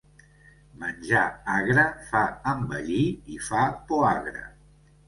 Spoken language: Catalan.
Menjar agre fa envellir i fa poagre.